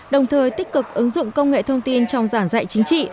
đồng thời tích cực ứng dụng công nghệ thông tin trong giảng dạy chính trị